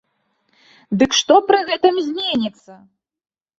Дык што пры гэтым зменіцца?